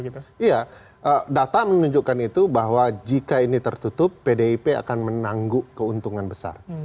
iya data menunjukkan itu bahwa jika ini tertutup pdip akan menangguk keuntungan besar